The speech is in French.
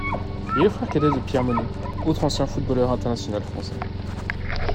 Il est le frère cadet de Pierre Mony, autre ancien footballeur international français.